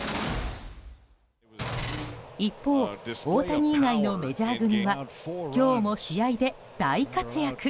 一方、大谷以外のメジャー組は今日も試合で大活躍。